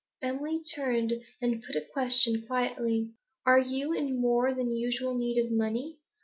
Emily turned and put a question quietly. 'Are you in more than usual need of money?'